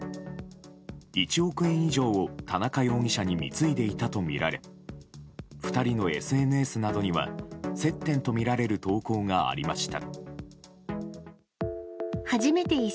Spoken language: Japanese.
１億円以上を田中容疑者に貢いでいたとみられ２人のＳＮＳなどには接点とみられる投稿がありました。